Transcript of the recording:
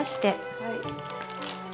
はい。